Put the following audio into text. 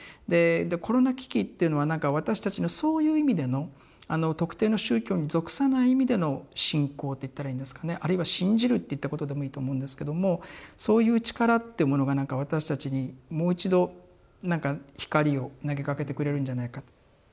でコロナ危機っていうのは私たちのそういう意味での特定の宗教に属さない意味での信仰って言ったらいいんですかねあるいは信じるっていったことでもいいと思うんですけどもそういう力ってものが私たちにもう一度光を投げかけてくれるんじゃないか。